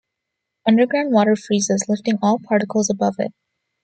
Underground water freezes, lifting all particles above it.